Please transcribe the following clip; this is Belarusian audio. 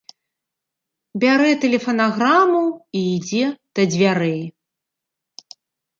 Бярэ тэлефанаграму і ідзе да дзвярэй.